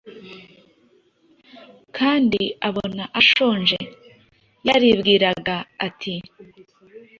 kandi abona ashonje. Yaribwiraga ati «